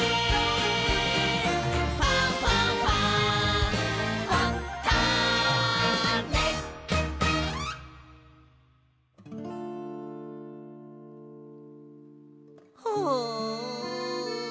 「ファンファンファン」はあ。